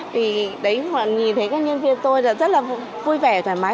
vì đấy nhìn thấy các nhân viên tôi rất là vui vẻ thoải mái